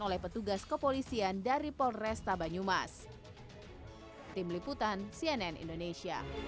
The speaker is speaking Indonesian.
oleh petugas kepolisian dari polresta banyumas